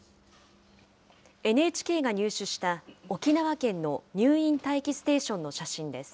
ＮＨＫが入手した沖縄県の入院待機ステーションの写真です。